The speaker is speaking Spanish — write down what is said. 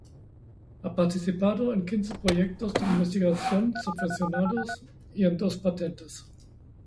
Ha participado en quince proyectos de investigación subvencionados y en dos patentes.